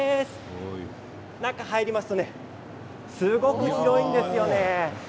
中に入りますとすごく広いんですよね。